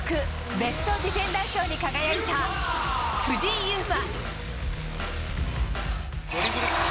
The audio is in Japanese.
ベストディフェンダー賞に輝いた藤井祐眞。